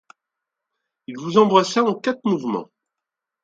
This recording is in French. Ils vous envoient ça en quatre mouvements.